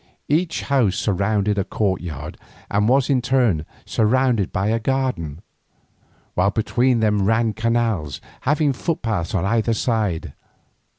Each house surrounded a courtyard and was in turn surrounded by a garden, while between them ran canals, having footpaths on either side.